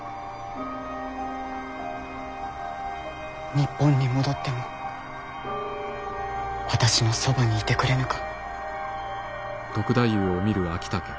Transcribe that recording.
日本に戻っても私のそばにいてくれぬか。